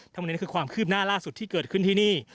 ทั้งหมดนี้คือความคืบหน้าล่าสุดที่เกิดขึ้นที่นี่